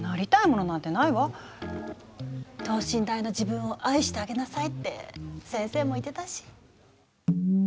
等身大の自分を愛してあげなさいって先生も言ってたし。